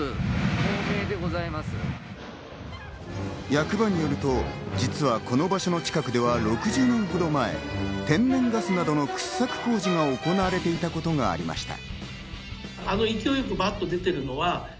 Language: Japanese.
役場によると、実はこの場所の近くでは６０年ほど前、天然ガスなどの掘削工事が行われていたことがありました。